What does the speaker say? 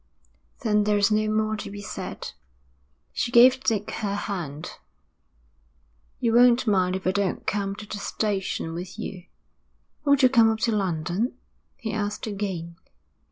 'Then there is no more to be said.' She gave Dick her hand. 'You won't mind if I don't come to the station with you?' 'Won't you come up to London?' he asked again.